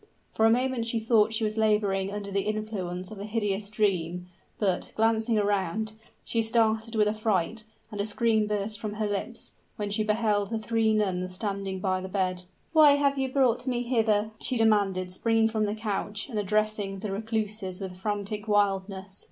For a moment she thought she was laboring under the influence of a hideous dream; but, glancing around, she started with affright, and a scream burst from her lips, when she beheld the three nuns standing by the bed. "Why have you brought me hither?" she demanded, springing from the couch, and addressing the recluses with frantic wildness.